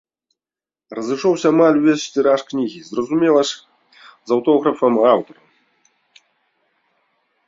Разышоўся амаль увесь тыраж кнігі, зразумела ж, з аўтографам аўтара.